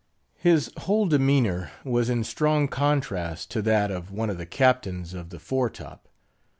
His whole demeanor was in strong contrast to that of one of the Captains of the fore top.